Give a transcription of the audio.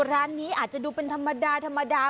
ร้านนี้อาจจะดูเป็นธรรมดาธรรมดา